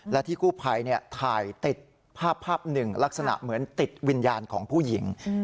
และที่กู้ภัยถ่ายติดภาพภาพหนึ่งลักษณะเหมือนติดวิญญาณของผู้หญิง